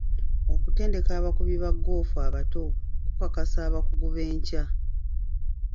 Okutendeka abakubi ba ggoofu abato kukakasa abakugu b'enkya.